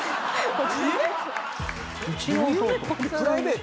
プライベート？